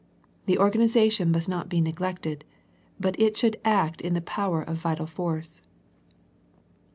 The organization must not be neglected, but it should act in the power of vital force.